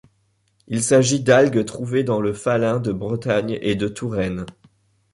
Il s'agit d'algues trouvées dans les faluns de Bretagne et de Touraine.